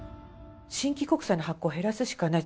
新規国債の発行を減らすしかない。